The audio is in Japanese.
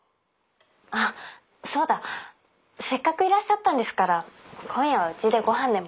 あっそうだせっかくいらっしゃったんですから今夜はうちでごはんでも。